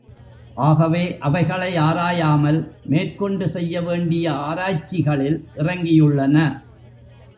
ஆகவே, அவைகளை ஆராயாமல் மேற்கொண்டு செய்ய வேண்டிய ஆராய்ச்சிகளில் இறங்கியுள்ளன.